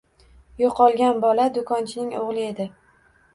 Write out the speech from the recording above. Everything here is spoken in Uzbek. Yo‘qolgan bola do‘konchining o‘g‘li edi.